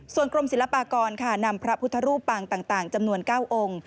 ส่วนกรมศิลปากรค่ะนำพระพุทธรูปปางต่างจำนวน๙องค์